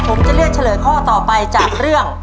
ผมจะเลือกเฉลยข้อต่อไปจากเรื่อง